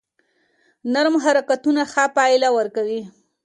نرم حرکتونه ښه پایله ورکوي.